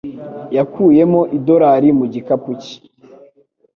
Yakuyemo idorari mu gikapu cye.